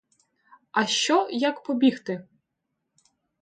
А що, як побігти?